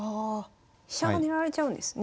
飛車が狙われちゃうんですね。